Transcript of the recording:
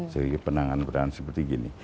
jadi penanganan penanganan seperti gini